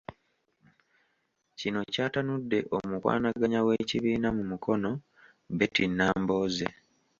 Kino kyatanudde omukwanaganya w'ekibiina mu Mukono, Betty Nambooze.